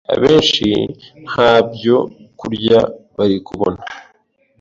abenshi ntabyo kurya bari kubona.